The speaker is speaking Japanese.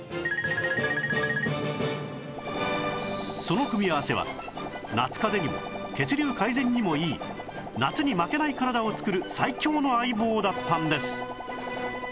その組み合わせは夏かぜにも血流改善にもいい夏に負けない体を作る最強の相棒だったんです